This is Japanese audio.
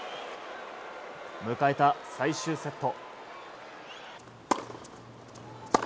迎えた最終セット。